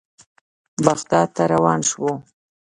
بغداد ته روان شوو.